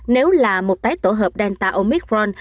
nếu là một tái tổ hợp delta omicron